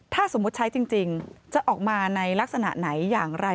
ถ้าสมมุติใช้จริงจะออกมาในลักษณะไหนอย่างไร